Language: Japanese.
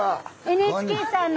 ＮＨＫさんの。